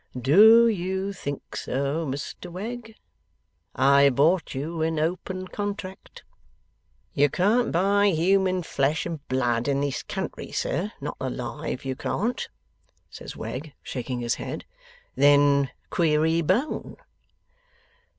'Do you think so, Mr Wegg? I bought you in open contract.' 'You can't buy human flesh and blood in this country, sir; not alive, you can't,' says Wegg, shaking his head. 'Then query, bone?